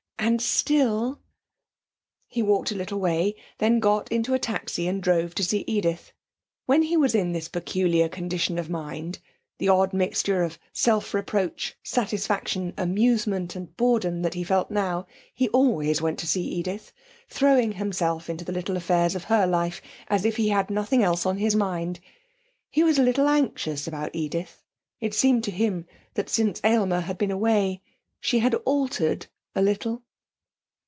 And still!... He walked a little way, then got into a taxi and drove to see Edith. When he was in this peculiar condition of mind the odd mixture of self reproach, satisfaction, amusement and boredom that he felt now he always went to see Edith, throwing himself into the little affairs of her life as if he had nothing else on his mind. He was a little anxious about Edith. It seemed to him that since Aylmer had been away she had altered a little.